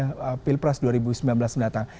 dan juga pilpras dua ribu sembilan belas mendatang